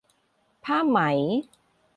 ผ้าไหม